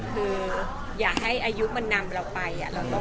คืออย่าให้อายุมันนำเราไป